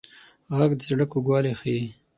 غږ د زړه کوږوالی ښيي